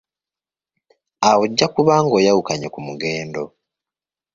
Awo ojja kuba ng'oyawukanye ku mugendo.